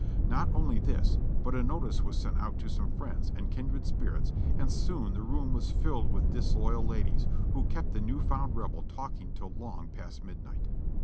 Not only this, but a notice was sent out to some friends and kindred spirits and soon the room was filled with disloyal ladies, who kept the new found Rebel talking till long past midnight.